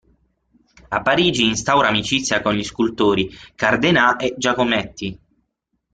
A Parigi instaura amicizia con gli scultori Cárdenas e Giacometti.